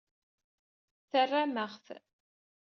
Terram-aɣ-t.